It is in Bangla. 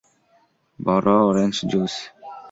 বড় অরেঞ্জ জুস।